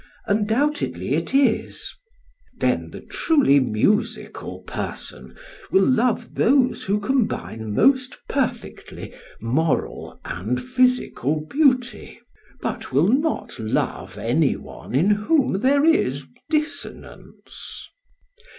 "Undoubtedly it is. "Then the truly musical person will love those who combine most perfectly moral and physical beauty, but will not love any one in whom there is dissonance.